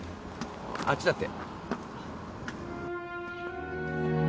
あっちだって。